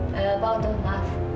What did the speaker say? pak hantu maaf